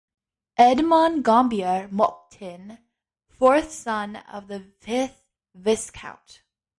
Edmund Gambier Monckton, fourth son of the fifth Viscount.